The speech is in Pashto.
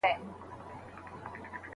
زما د لېمو د نظر گور دی، ستا بنگړي ماتيږي